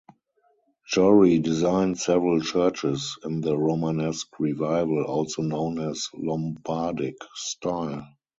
Jory designed several churches in the Romanesque Revival (also known as Lombardic) style.